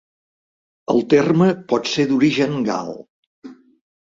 El terme pot ser d'origen gal.